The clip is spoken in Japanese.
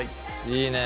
いいね。